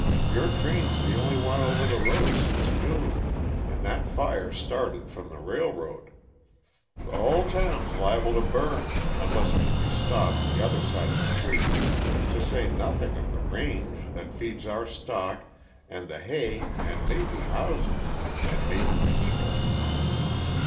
Your train's the only one over the road since noon, and that fire started from the railroad. The hull town's liable to burn, unless it can be stopped the other side the creek, to say nothing of the range, that feeds our stock, and the hay, and maybe houses and maybe _people!